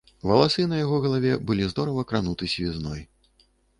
Валасы на яго галаве былі здорава крануты сівізной.